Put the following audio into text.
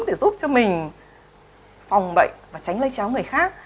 để giúp cho mình phòng bệnh và tránh lây chéo người khác